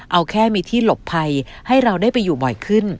เอาแค่มีที่หลบภัยให้เราได้ไปอยู่บ่อยขึ้น